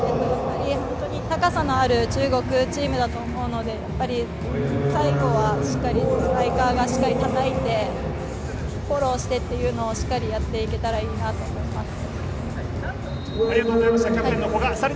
高さのある中国チームだと思うので、最後はスパイカーがしっかりたたいて、フォローしてというのをしっかりやっていけたらいいなと思います。